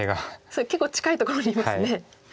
結構近いところにいますね。